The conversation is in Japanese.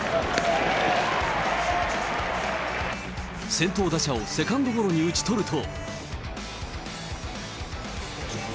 先頭打者をセカンドゴロに打ち取ると。